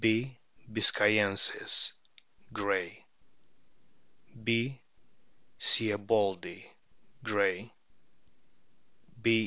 biscayensis, Gray; B. sieboldi, Gray; B.